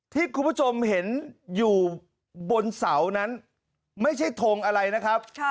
ที่คุณผู้ชมเห็นอยู่บนเสานั้นไม่ใช่ทงอะไรนะครับ